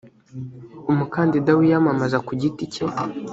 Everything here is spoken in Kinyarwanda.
umukandida wiyamamaza ku giti cye